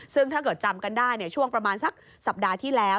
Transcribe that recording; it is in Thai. ซึ่งถ้าเกิดจำกันได้ช่วงประมาณสักสัปดาห์ที่แล้ว